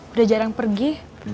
udah jarang pergi